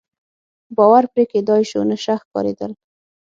باور پرې کېدای شو، نشه ښکارېدل.